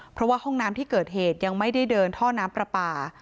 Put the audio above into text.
เพราะว่าห้องน้ำที่เกิดเหตุยังไม่ได้เดินท่อน้ำประปา